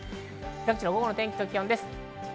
午後の天気と気温です。